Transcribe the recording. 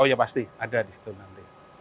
oh ya pasti ada di situ nanti